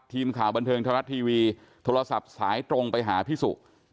ทีมข่าวบันเทิงไทยรัฐทีวีโทรศัพท์สายตรงไปหาพี่สุ